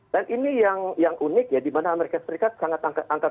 dan ini yang unik ya di mana amerika serikat sangat angkat